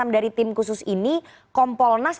dari tim khusus ini kompolnas